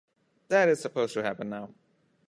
That is suppose to happen now.